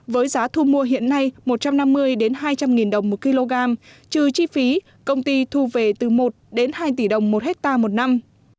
với giá thu mua hiện nay một trăm năm mươi hai trăm linh nghìn đồng một kg trừ chi phí công ty thu về từ một đến hai tỷ đồng một hectare một năm